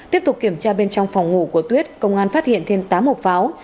tiếp tục kiểm tra bên trong phòng ngủ của tuyết công an phát hiện thêm tám hộp pháo